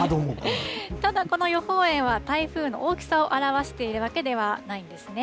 ただ、この予報円は台風の大きさを表しているわけではないんですね。